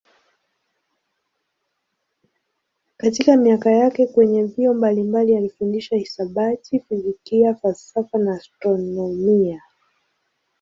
Katika miaka yake kwenye vyuo mbalimbali alifundisha hisabati, fizikia, falsafa na astronomia.